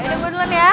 yaudah gue duluan ya